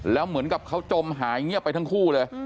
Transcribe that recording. แล้วเหมือนกับเขาจมหายเงียบไปทั้งคู่เลย